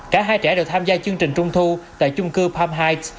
cả hai trẻ đều tham gia chương trình trung thu tại chung cư palm height